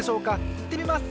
いってみます！